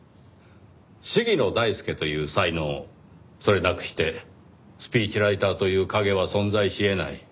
鴫野大輔という才能それなくしてスピーチライターという影は存在し得ない。